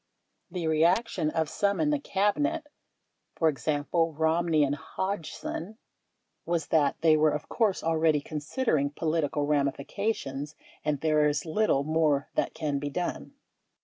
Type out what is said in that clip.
The reaction of some in the Cabinet (e.g., Romney and Hodgson) was that they were, of course, already considering political ramifications and there is little more that can be done.